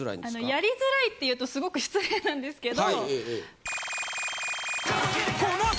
やりづらいって言うとすごく失礼なんですけど。